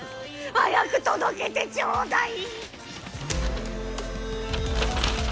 早く届けてちょうだい！